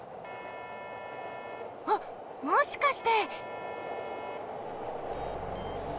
あっもしかして！